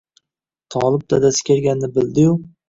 Tolib dadasi kelganini bildi-yu